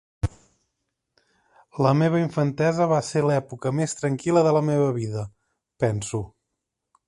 La meva infantesa va ser l'època més tranquil·la de la meva vida, penso.